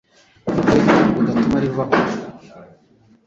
iryo gi udatuma rivaho